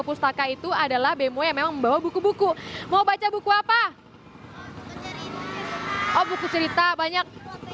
pustaka itu adalah bemo yang memang membawa buku buku mau baca buku apa oh buku cerita banyak